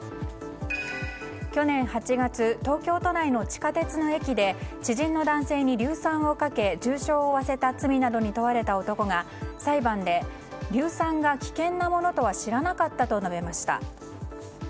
去年８月東京都内の地下鉄の駅で知人の男性に硫酸をかけ重傷を負わせた罪などに問われた男が裁判で、硫酸が危険なものとは知らなかったと述べました。